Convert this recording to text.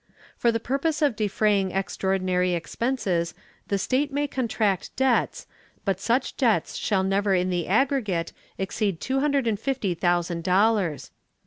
"For the purpose of defraying extraordinary expenses the state may contract debts, but such debts shall never in the aggregate exceed two hundred and fifty thousand dollars."